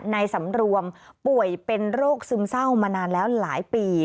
ในสำรวมป่วยเป็นโรคซึมเศร้ามานานแล้วหลายปี